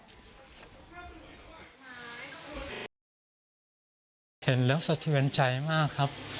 เห็นแล้วสะเทือนใจมากครับ